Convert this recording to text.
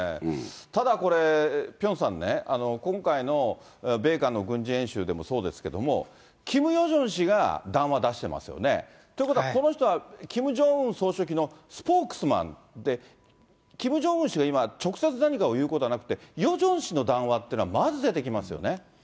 ただこれ、ピョンさんね、今回の米韓の軍事演習でもそうですけど、キム・ヨジョン氏が談話出してますよね。ということは、この人はキム・ジョンウン総書記のスポークスマンで、キム・ジョンウン氏が今、直接何かを言うことはなくて、ヨジョン氏の談話っていうのはまず出てきますよね。